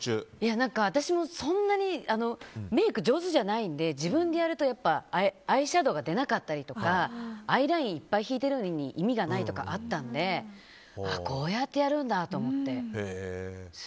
私もそんなにメイク上手じゃないんで自分でやるとアイシャドーが出なかったりとかアイラインいっぱい引いてるのに意味がないとかあったのでこうやってやるんだと思って。